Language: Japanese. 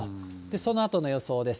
そのあとの予想です。